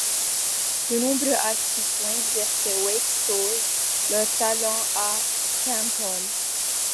De nombreux artistes ont exercé ou exposent leurs talents à Paimpol.